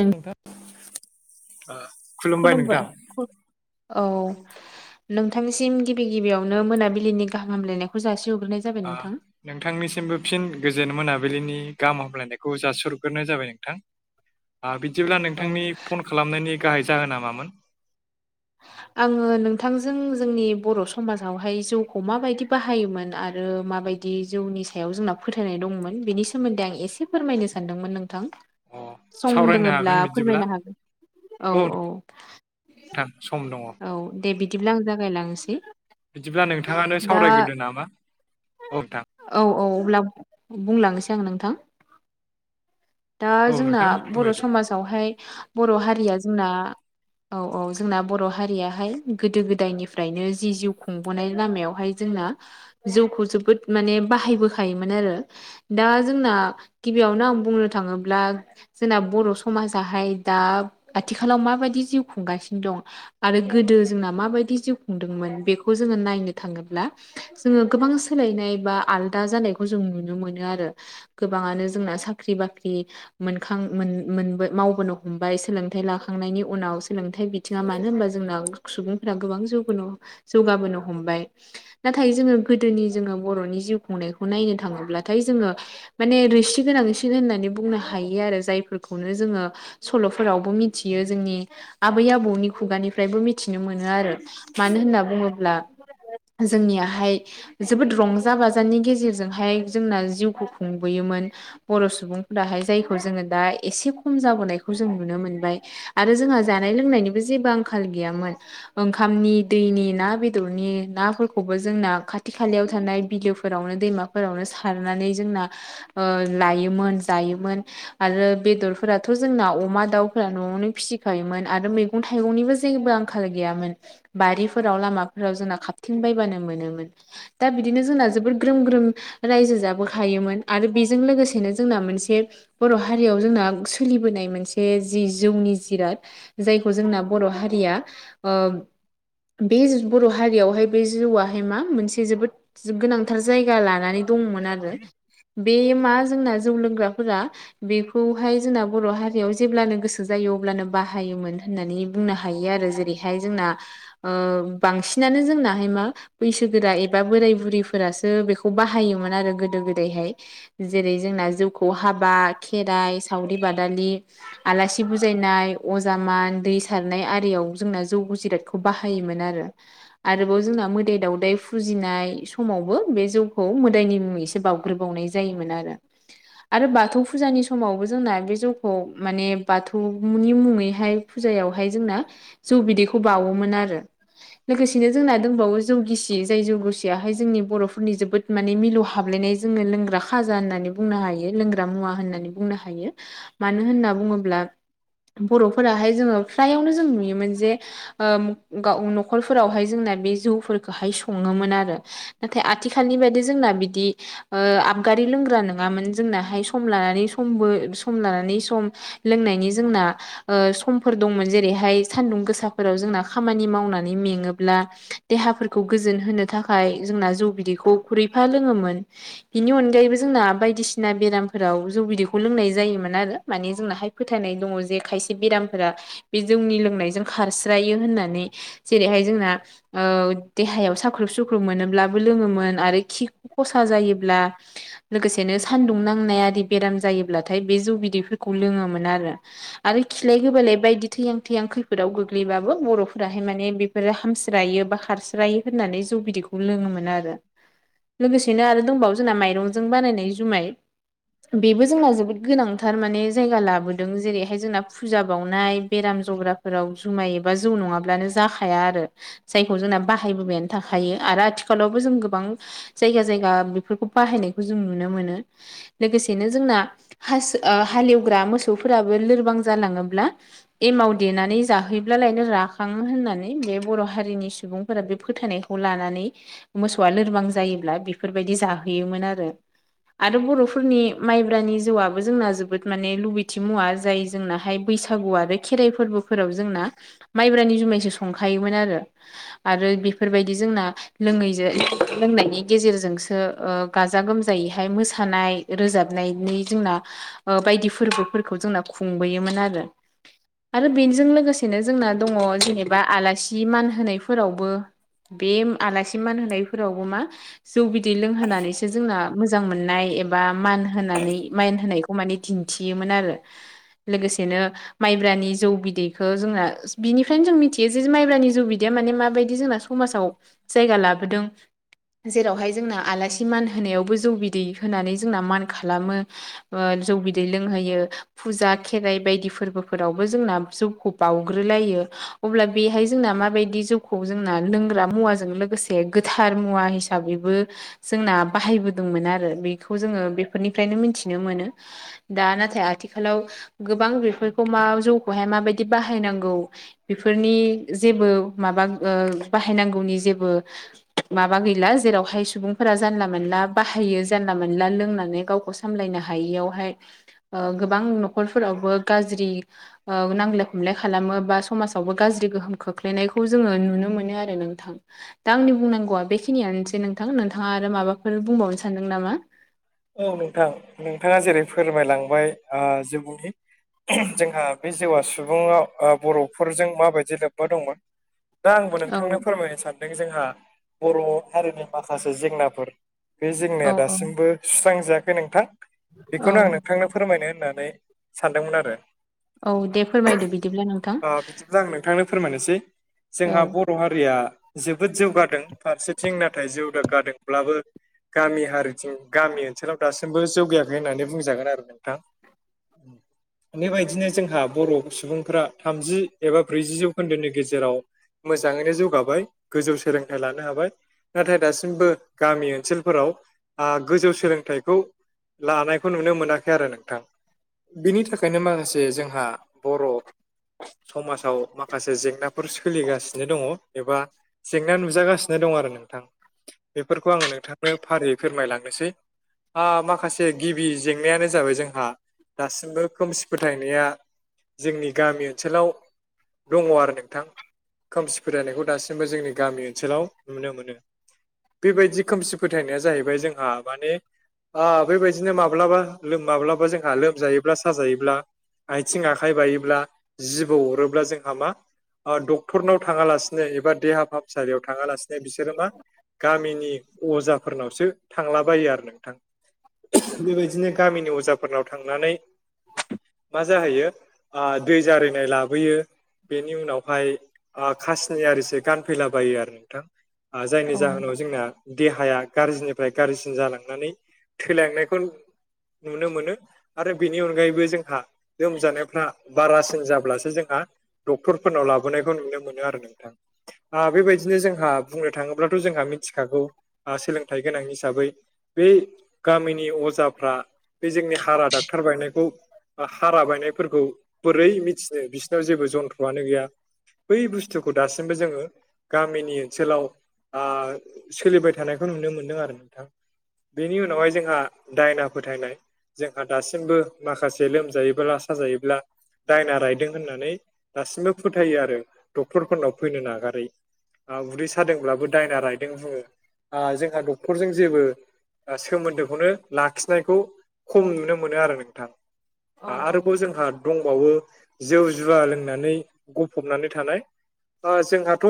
नों नोंथां ओ खुलुमबाय औ नोंथांनिसिम गिबि गिबियावनो मोनाबिलिनि गाहाम हामलायनायखौ जासि हरग्रोनाय आ नोंथांनिसिमबो फिन गोजोन मोनाबिलिनि गाहाम हामलायनायखौ जासिहरग्रोनाय जाबाय नोंथां। ओ बिदिब्ला औ नोंथांनि फन खालामनायनि गाहाय जाहोना मामोन? आङो नोंथांजों जोंनि बर' समाजावहाय जौखौ माबायदि बाहायोमोन आरो माबायदि दि जौनि सायाव जोंना फोथायनाय दंमोन बिनि सोमोन्दै आं एसे फोरमायनो सानदोंमोन नोंथां अ सम सावरायनो हागोन दङ'ब्ला बिदिब्ला फोरमायनो हागोन औ औ थां सम दङ' औ दे बिदिब्ला आं जागायलांनोसै बिदिब्ला नोंथाङानो दा सावरायग्रोदो नामा औ नोंथां औ औ अब्ला बुंलांनोसै आङो नोंथां दा औ जोंना नोंथां बर' फोरमायदो। समाज जावहाय बर' हारिया जोंना औ औ जोंना बर' हारियाहाय गोदो गोदायनिफ्रायनो जि जिउ खुंबोनाय लामायावहाय जोंना जौखौ जोबोद माने बाहायबोखायोमोन आरो दा जोंना गिबियावनो आं बुंनो थाङोब्ला जोंना बर' समाजाहाय दा आथिखालाव माबायदि जिउ खुंगासिनो दं आरो गोदो जोंना माबायदि जिउ खुंदोंमोन बेखौ जोङो नायनो थाङोब्ला जोङो गोबां सोलायनाय बा आलदा जानायखौ जों नुनो मोनो आरो गोबाङानो जोंना साख्रि बाख्रि मोनखां मोनो मोनो मावबोनो हमबाय सोलोंथाइ लाखांनायनि उनाव सोलोंथाइ बि बिथिङा मानो होनबा जोंना सुबुंफोरा गोबां जौ जौगाबोनो हमबाय नाथाय जोङो गोदोनि जोङो बर'नि जिउ खुंनायखौ नायनो थाङोब्लाथाय जोङो माने रोसि गोनांसिन होननानै बुंनो हायो आरो जायफोरखौनो जोङो सल'फोरावबो मिथियो जोंनि आबै आबौ नि खुगानिफ्रायबो मिथिनो मोनो आरो मानो होनना बुङोब्ला जोंनियाहाय जोबोद रंजा बाजानि गेजेरजोंहाय जोंना जिउखौ खुंबोयोमोन बर' सुबुंफोराहाय जायखौ जोङो दा एसे खम जाबोनायखौ जों नुनो मोनबाय आरो जोंहा जानाय लोंनायनिबो जेबो आंखाल गैयामोन ओंखामनि दैनि ना बेदरनि नाफोरखौबो जोंना खाथि खालायाव थानाय बिलो फोरावनो दैमाफोरावनो सारनानै जोंना ओ लायोमोन जायोमोन आरो बेदरफोराथ' जोंना अमा दाउफोरा न'आवनो फिसिखायोमोन आरो मैगं मैगं थाइगंनिबो जेबो आंखाल गैयामोन बारिफोराव लामाफोराव जोंना खाबथिं बायबानो मोनोमोन दा बिदिनो जोंना जोबोद ग्रोम ग्रोम रायजो जाबोखायोमोन आरो बेजों लोगोसेनो जोंना मोनसे बर' हारियाव जोंना सोलिबोनाय मोनसे जि जौनि जिराद जाय खौ जोंना बर' हारिया ओ बे बर' हारियावहाय बे जौआहाय मा मोनसे जोबोद गोनांथार जायगा लानानै दंमोन आरो बे मा जोंना जौ लोंग्राफोरा बेखौहाय जोंना बर' हारियाव जेब्लानो गोसो जायो अब्लानो बाहायोमोन होननानै बुंनो हायो आरो जेरैहाय जोंना ओ बांसिनानो जोंनाहाय मा बैसोगोरा एबा बोराय बुरिफोरासो बेखौ बाहायोमोन आरो गोदो गोदायहाय जेरै जोंना जौखौ हाबा खेराइ सावरि बादालि आलासि बुजायनाय अजामान दै सारनाय आरियाव जोंना जौखौ जिरादखौ बाहायोमोन आरो आरोबाव जोंना मोदाइ दावदाइ फुजिनाय समावबो बे जौखौ मोदायनि मुङैसो बावो ग्रोबावनाय जायोमोन आरो आरो बाथौ फुजानि समावबो जोंना बे जौखौ माने बाथौनि मुङैहाय। फुजायावहाय जोंना जौ बिदैखौ बावोमोन आरो। लोगोसेनो जोंना दंबावो जौगिसि जाय जौगिसियाहाय जोंनि बर'फोरनि जोबोद। माने मिलौ हाबलायनाय जोङो लोंग्रा खाजा होननानै बुंनो हायो लोंग्रा मुवा होननानै बुंनो हायो। मानो होनना बुङोब्ला बर'फोराहाय जोङो फ्रायावनो जों नुयोमोन जे। ओ गाव न'खरफोरावहाय जोंना बे जौफोरखौहाय सङोमोन आरो नाथाय आथिखालनि बायदि जोंना बिदि ओ आबगारि लोंग्रा नङामोन जोंनाहाय सम लानानै समबो सम लानानै सम। लोंनायनि जोंना ओ सम फोर दंमोन जेरैहाय सान्दुं गोसाफोराव जोंना खामानि मावनानै मेङोब्ला। देहाफोरखौ गोजोन होनो थाखाय जोंना जौ बिदैखौ खुरैफा लोङोमोन। बिनि अनगायैबो जोंना बायदिसिना बेरामफोराव जौ बिदैखौ लोंनाय जायोमोन आरो। माने जोंनाहाय फोथायनाय दङ जे खायसे बेराम फोरा बे जोंनि लोंनायजों खारस्रायो होननानै जेरैहाय जोंना देहायाव साख्रुब सुख्रुब मोनोब्लाबो लोङोमोन आरो खि खसा जायोब्ला लोगोसेनो सान्दुं नांनाय आरि बेराम जायोब्लाथाय बे जौ बिदैफोरखौ लोङोमोन आरो आरो खिलाय गोबालाय बायदि थैयां थैयां खैफोदाव गोग्लैबाबो बर'फोराहाय माने बेफोरो हामस्रायो बा खारस्रायो होननानै जौ बिदैखौ लोङोमोन आरो लोगोसेनो आरो दंबावो जोंना माइरंजों बानायनाय जुमाय बेबो जोंना जोबोद गोनांथार माने जायगा लाबोदों जेरैहाय जोंना फुजा बावनाय बेराम जब्राफोराव जुमाय एबा जौ नङाब्लानो जाखाया आरो जायखौ जोंना बाहायबोबायानो थाखायो आरो आथिखालावबो जों गोबां जायगा जायगा बेफोरखौ बाहायनायखौ जों नुनो मोनो। लोगोसेनो जोंना हासो हालेवग्रा मोसौफोराबो लोरबां जालाङोब्ला एमाव देनानै जाहैब्लालायनो राखाङो होननानै बे बर' हारिनि सुबुंफोरा बे फोथायनाय खौ लानानै मोसौआ लोरबां जायोब्ला बेफोरबायदि जाहोयोमोन आरो आरो बर'फोरनि माइब्रानि जौआआबो जोंना जोबोद माने लुबैथि मुवा जाय जोंनाहाय बैसागु आरो खेराइ फोरबोफोराव जोंना माइब्रानि जुमायसो संखायोमोन आरो आरो बेफोर बायदि जोंना लोङैजों लोंनायनि गेजेरजोंसो गाजा गोमजायैहाय मोसानाय रोजाबनायनि जोंना बायदि फोरबोफोरखौ जोंना खुंबोयोमोन आरो आरो बेनिजों लोगोसेनो जोंना दङ जेनेबा आलासि मान होनायफोरावबो बे आलासि मान होनोनायफोरावबो मा जौ बिदै लोंहोनानैसो जोंना मोजां मोननाय एबा मान होनानै माइन होनायखौ माने दिन्थियोमोन आरो लोगोसेनो माइब्रानि जौ बिदैखौो जोंना बिनिफ्रायनो जों मिथियो जे माइब्रानि जौ बिदैया माने माबायदि जोंना समाजाव जायगा लाबोदों जेरावहाय जोंना आलासि मान होनायावबो जौ बिदै होनानै जोंना मान खालामो जौ बिदै लोंहोयो फुजा खेराइ बायदि फोरबोफोरावबो जोंना जौखौ बाउग्रोलायो अब्ला बेहाय जोंना माबायदि जौ खौ जोंना लोंग्रा मुवाजों लोगोसे गोथार मुवा हिसाबैबो जोंना बाहायबोदोंमोन आरो बेखौ जोङो बेफोरनिफ्रायनो मिथिनो मोनो। दा नाथाय आथिखालाव गोबां बेफोरखौ मा जौखौहाय माबायदि बाहायनांगौ बेफोरनि जेबो माबा बाहायनांगौनि जेबो माबा गैला जेरावहाय सुबुंफोरा जानला मोनला बाहायो जानला मोनला लोंनानै गावखौ सामलायनो हायियावहाय गोबां न'खरफोरावबो गाज्रि। नांजलाय खमलाय खालामो बा समाजावबो गाज्रि गोहोम खोख्लैनायखौ जोङो नुनो मोनो आरो नोंथां दा आंनि बुंनांगौआ बेखिनियानोसै नोंथां नोंथाङा आरो माबाफोर बुंबावनो सानदों नामा औ नोंथां नोंथाङा जेरै फोरमायलांबाय सुबुंनि जोंहा बे जौवा सुबुङाव बर'फोरजों माबायदि लोब्बा दंमोन दा आंबो औ नोंथांनो फोरमायनो सानदों जोंहा बर' हारिनि माखासे जेंनाफोर बे औ जेंनाया औ दासिमबो सुस्रांजायाखै नोंथां औ बेखौनो आं नोंथांनो फोरमायनो होननानै सानदोंमोन आरो औ दे फोरमायदो बिदिब्ला नोंथां बिदिब्ला आं नोंथांनो फोरमायनोसै औ जोंहा बर बर' हारिया जोबोद जौगादों फारसे थिं नाथाय जौगादोंब्लाबो गामि हारिथिं गामि ओनसोलाव दासिमबो जौगायाखै होननानै बुंजागोन आरो नोंथां [inaudible] बेबायदिनो जोंहा बर' सुबुंफोरा थामजि एबा ब्रैजि जौखोन्दोनि गेजेराव मोजाङैनो जौगाबाय गोजौ सोलोंथाइ लानो हाबाय नाथाय दासिमबो गामि ओनसोलफोराव गोजौ सोलोंथाइखौ लानायखौ नुनो मोनाखै आरो नोंथां बिनि थाखायनो माखासे जोंहा बर' समाजाव माखासे जेंना फोर सोलिगासिनो दङ एबा जेंना नुजागासिनो दङ आरो नोंथां बेफोरखौ आङो नोंथांनो फारियै फोरमायलां नोसै आ माखासे गिबि जेंनायानो जाबाय जोंहा दासिमबो खोमसि फोथायनाया जोंनि गामि ओनसोलाव दङ आरो नोंथां खोमसि फरायनायखौ दासिमबो जोंनि गामि ओनसोलाव नुनो मोनो बेबायदि खोमसि फोथायनाया जाहैबाय जोंहा माने आ बेबायदिनो माब्लाबा लोम माब्लाबा जोंहा लोमजायोब्ला साजायोब्ला आथिं आखाइ बायोब्ला जिबौ अरोब्ला जोंहा मा डक्टरनाव थाङा लासिनो एबा देहा फाहामसालियाव थाङा लासिनो बिसोरो मा गामिनि अजाफोरनावसो थांलाबायो आरो नोंथां बेबायदिनो गामिनि अजाफोरनाव थांनानै मा जाहैयो आ दै जारिनाय लाबोयो बेनि उनावहाय खासिनि आरिसो गानफैलाबायो आरो नोंथां जायनि औ जाहोनाव जोंना देहाया गाज्रिनि फ्राय गारजिसिन जालांनानै थैलांनायखौ नुनो मोनो आरो बेनि अनगायैबो जोंहा लोमजानायफ्रा बारासिन जाब्लासो जोंहा डक्टरफोरनाव लाबोनायखौ नुनो मोनो आरो नोंथां आ बेबायदिनो जोंहा बुंनो थाङोब्लाथ जोंहा मिथिखागौ सोलोंथाइ गोनां हिसाबै बे गामिनि अजाफ्रा बे जोंनि हारा डाक्टार बायनाय खौ हारा बायनायफोरखौ बोरै मिथिनो बिसोरनाव जेबो जन्थ्रआनो गैया बै बुस्थुखौ दासिमबो जोङो गामिनि ओनसोलाव आ सोलिबाय थानायखौ नुनो मोन दों आरो नोंथां बेनि उनावहाय जोंहा दायना फोथायनाय जोंहा दासिमबो माखासे लोमजायोब्ला साजायोब्ला दायना रायदों होननानै दासिमबो फोथायो आरो डक्टरफोरनाव फैनो नागारै आ उदै सादोंब्लाबो दायना रायदों बुङो आ जोंहा डक्टरजों जेबो सोमोन्दोखौनो लाखिनायखौ खम नुनो मोनो आरो नोंथां औ आरोबाव जोंहा दंबावो जौ जुवा लोंनानै गफबनानै थानाय ओ जोंहाथ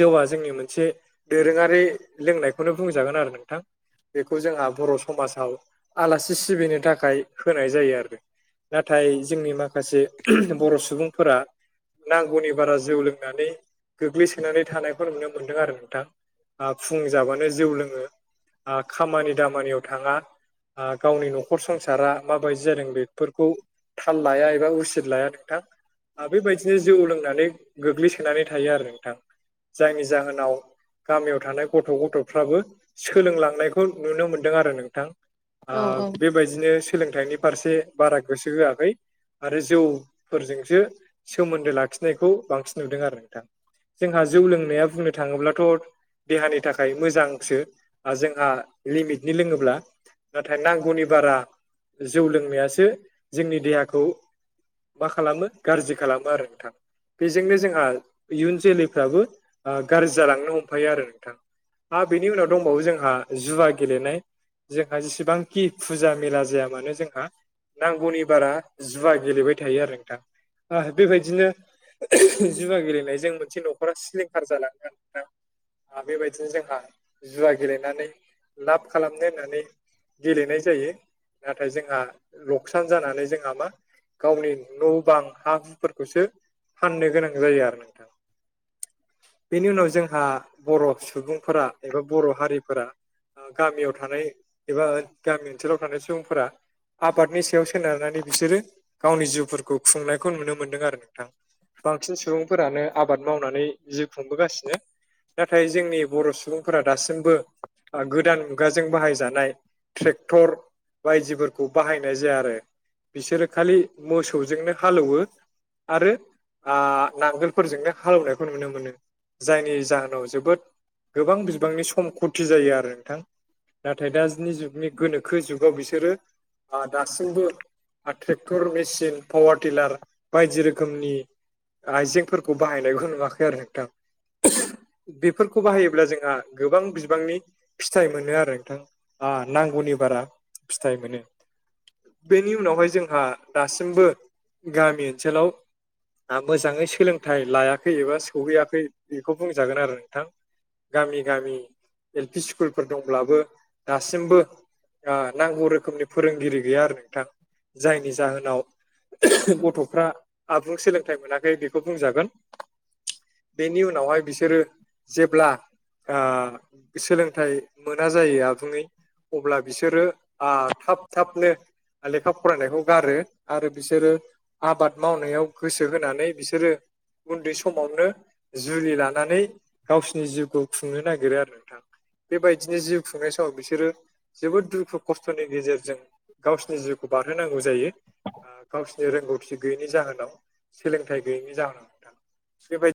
जौआ जोंनि मोनसे दोरोङारि लोंनायखौनो बुंजागोन आरो नोंथां बेखौ जोंहा बर' समाजाव आलासि सिबिनो थाखाय होनाय जायो आरो नाथाय जोंनि माखासे बर' सुबुंफोरा नांगौनि बारा जौ लोंनानै गोग्लैसोनानै थानायखौ नुनो मोन्दों आरो नोंथां ओ फुं जाबानो जौ लोङो खामानि दामानियाव थाङा आ गावनि न'खर संसारा माबायदि जादों बेफोरखौ थाल लाया एबा उसिद लाया नोंथां बेबायदिनो जौ लोंनानै गोग्लैसोनानै थायो आरो नोंथां जायनि जाहोनाव गामियाव थानाय गथ' गथ'फ्राबो सोलोंलांनायखौ नुनो मोनदों आरो नोंथां आ औ औ बे बायदिनो सोलोंथाइनि फारसे बारा गोसो होआखै आरो जौफोरजोंसो सोमोन्दो लाखिनायखौ बांसिन नुदों आरो नोंथां जोंहा जौ लोंनाया बुंनो थाङोब्लाथ देहानि थाखाय मोजांसो जोंहा लिमिटनि लोङोब्ला नाथाय नांगौनि बारा जौ लोंनायासो जोंनि देहाखौ मा खालामो गाज्रि खालामो आरो नोंथाङा बेजोंनो जोंहा इयुन जोलैफ्राबो गाज्रि जालांनो हमफायो आरो नों थां बेनि उनाव दंबावो जोंहा जुवा गेलेनाय जोंहा जेसेबांखि फुजा मेला जाया मानो जोंहा नांगौनि बारा जुवा गेलेबाय थायो आरो नोंथां बेबायदिनो जुुवा गेलेनायजों मोनसे न'खरा सिलिंखार जालांङो बेबायदिनो जोंहा जुवा गेलेनानै लाब खालामनो होननानै गेलेनाय जायो नाथाय जोंहा लखसान जानानै जोंहा मा गावनि न' बां हा हुफोरखौसो फाननो गोनां जायो आरो नोंथां [inaudible] बेनि उनाव जोंहा बर' सुबुंफोरा एबा बर' हारिफोरा गामियाव थानाय एबा गामि ओनसोलाव थानाय सुबुंफोरा आबादनि सायाव सोनारनानै बिसोरो गावनि जिउफोरखौ खुंनायखौ नुनो मोनदों आरो नोंथां बांसिन सुबुंफोरानो आबाद मावनानै जिउ खुंबोगासिनो नाथाय जोंनि बर' सुबुंफोरा दासिमबो गोदान मुगाजों बाहायजानाय ट्रेक्टर बायदिफोरखौ बाहायनाय जाया आरो बिसोरो खालि मोसौजोंनो हालौवो आरो नांगोलफोरजोंनो हालेवनायखौ नुनो मोनो जायनि जाहोनाव नाव जोबोद गोबां बिबांनि सम फुरथि जायो आरो नोंथां नाथाय दानि जुगनि गोनोखो जुगाव बिसोरो दासिमबो ट्रेक्टर मेसिन पावार टिलार बायदि रोखोमनि आइजेंफोरखौ बाहायनायखौ नुवाखै आरो नोंथां बेफोरखौ बाहायोब्ला जोंहा गोबां बिबांनि फिथाइ मोनो आरो नोंथां आ नांगौनि बारा फिथाइ मोनो बेनि उनावहाय जोंहा दासिमबो गामि ओनसोलाव मोजांङै सोलोंथाइ लायाखै एबा सौहैयाखै बेखौ बुंजागोन आरो नोंथां गामि गामि एल पि स्कुलफोर दंब्लाबो दासिमबो नांगौ रोखोमनि फोरोंगिरि गैया आरो नोंथां जायनि जाहोनाव गथ'फ्रा आबुं सोलोंथाइ मोनाखै बेखौ बुंजागोन बेनि उनावहाय बिसोरो जेब्ला सोलोंथाइ मोना जायो आबुङै अब्ला बिसोरो थाब थाबनो लेखा फरायनायखौ गारो आरो बिसोरो आबाद मावनायाव गोसो होनानै बिसोरो उन्दै समावनो जुलि लानानै गावसोरनि जिउखौ खुंनो नागिरो आरो नोंथां बेबायदिनो जिउ खुंनाय समाव बिसोरो जोबोद दुखु खस्थ'नि गेजेरजों जों गावसोरनि जिउखौ बारहोनांगौ जायो गाव रोंगौथि गैयैनि जाहोनाव सोलोंथाइ गैयैनि जाहोनाव नोंथां बेबायदि [inaudible]